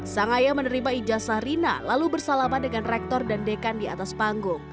sang ayah menerima ijazah rina lalu bersalaman dengan rektor dan dekan di atas panggung